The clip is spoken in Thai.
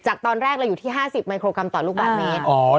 ตอนแรกเราอยู่ที่๕๐มิโครกรัมต่อลูกบาทเมตร